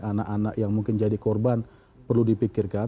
anak anak yang mungkin jadi korban perlu dipikirkan